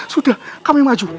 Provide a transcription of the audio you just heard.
sudah kamu yang maju